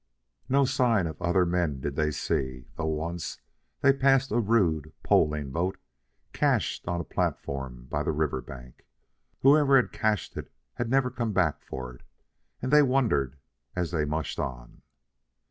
No signs of other men did they see, though once they passed a rude poling boat, cached on a platform by the river bank. Whoever had cached it had never come back for it; and they wondered and mushed on.